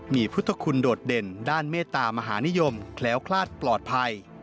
มีพุทธคุณโดดเด่นด้านเมตตามหานิยมแคล้วคลาดปลอดภัย